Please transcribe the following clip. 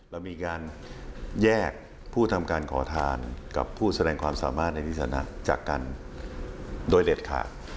เรามีการแยกผู้ทำการขอทานกับผู้แสดงความสามารถในนิสถานะจากกันโดยเด็ดขาด